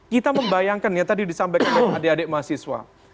kita membayangkan ya tadi disampaikan oleh adik adik mahasiswa